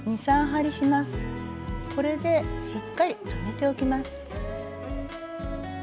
これでしっかり留めておきます。